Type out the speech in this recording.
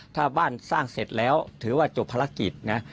ถ้าบ้านสร้างเสร็จแล้วถือว่าจบภารกิจนะ